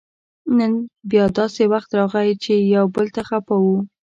نن بیا داسې وخت راغی چې یو بل ته خپه وو